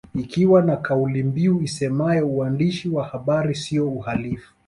Ikiwa na kauli mbiu isemayo uandishi wa habari siyo uhalifu